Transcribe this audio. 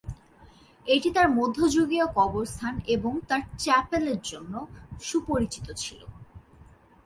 এটি তার মধ্যযুগীয় কবরস্থান এবং তার চ্যাপেল জন্য সুপরিচিত ছিল।